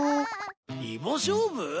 イボ勝負？